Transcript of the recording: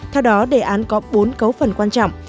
theo đó đề án có bốn cấu phần quan trọng